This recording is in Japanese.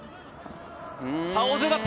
大津奪った。